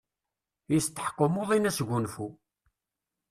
Yesteḥq umuḍin asgunfu.